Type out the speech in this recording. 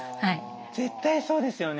絶対そうですよね。